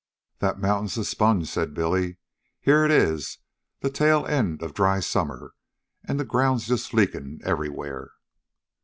"The mountain's a sponge," said Billy. "Here it is, the tail end of dry summer, an' the ground's just leakin' everywhere."